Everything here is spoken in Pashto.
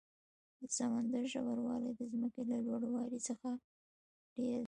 د سمندر ژور والی د ځمکې له لوړ والي څخه ډېر ده.